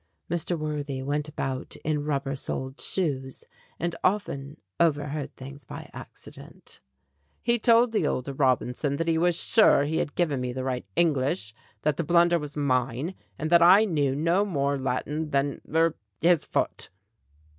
Mr. Worthy went about in rubber soled shoes, and often overheard things by accident "He told the elder 14 STORIES WITHOUT TEARS Robinson that he was sure he had given me the right English, that the blunder was mine, and that I knew no more Latin than er his foot."